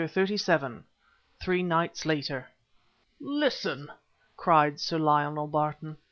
CHAPTER XXXVII THREE NIGHTS LATER "Listen!" cried Sir Lionel Barton.